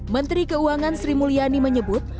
menteri keuangan sri mulyani menyebut